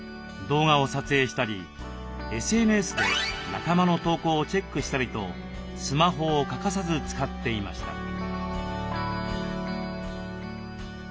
動画を撮影したりＳＮＳで仲間の投稿をチェックしたりとスマホを欠かさず使っていました。